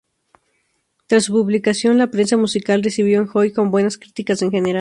Tras su publicación, la prensa musical recibió "Enjoy" con buenas críticas en general.